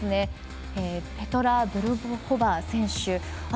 ペトラ・ブルホバー選手。